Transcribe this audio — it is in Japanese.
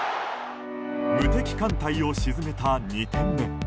無敵艦隊を沈めた２点目。